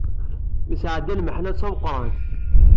Yesɛedda lmeḥna d tameqrant.